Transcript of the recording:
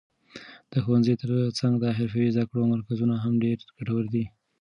د ښوونځي تر څنګ د حرفوي زده کړو مرکزونه هم ډېر ګټور دي.